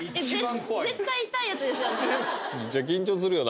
絶対痛いやつですよね